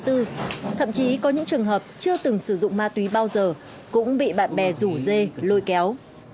thậm chí có những trường hợp chưa từng sử dụng ma túy bao giờ cũng bị bạn bè rủ dê lôi kéo